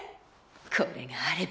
これがあれば。